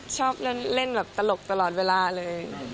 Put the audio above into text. ชอบเล่นแบบตลกตลอดเวลาเลย